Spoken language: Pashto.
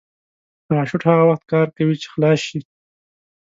پراشوټ هغه وخت کار کوي چې خلاص شي.